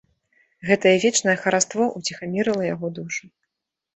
Гэтае вечнае хараство ўціхамірыла яго душу.